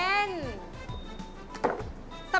โอเค